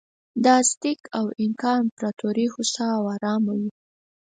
د ازتېک او اینکا امپراتورۍ هوسا او ارامه وې.